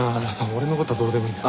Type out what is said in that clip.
俺の事はどうでもいいんだ。